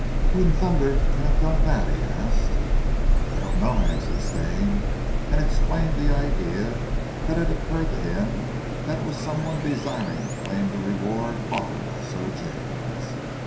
"Who in thunder can have done that?" he asked. "I don't know," answered Stane, and explained the idea that had occurred to him that it was some one desiring to claim the reward offered by Sir James.